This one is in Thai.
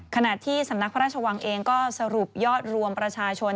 ขณะที่สำนักพระราชวังเองก็สรุปยอดรวมประชาชน